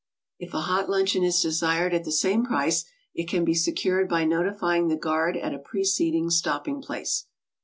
If a hot luncheon is desired at the same price, it can be secured by notifying the guard at a preceding stopping place.